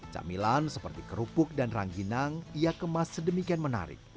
camilan seperti kerupuk dan rangginang ia kemas sedemikian menarik